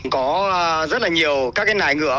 có rất nhiều các nài ngựa